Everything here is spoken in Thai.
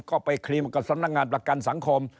ก็ไปครีมกับสำนักงานประกันสังคม